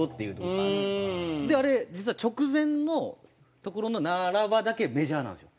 あれ実は直前のところの「ならば」だけメジャーなんですよ。